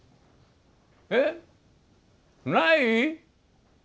えっない？